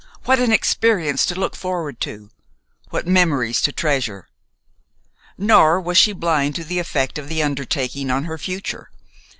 What an experience to look forward to! What memories to treasure! Nor was she blind to the effect of the undertaking on her future.